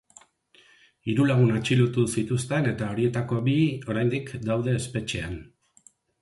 Hiru lagun atxilotu zituzten eta horietako bi oraindik daude espetxean.